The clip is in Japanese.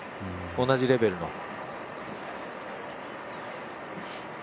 同じレベルの。